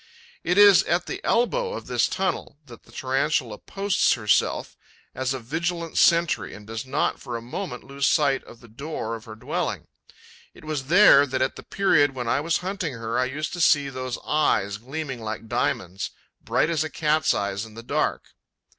It is at the elbow of this tunnel that the Tarantula posts herself as a vigilant sentry and does not for a moment lose sight of the door of her dwelling; it was there that, at the period when I was hunting her, I used to see those eyes gleaming like diamonds, bright as a cat's eyes in the dark.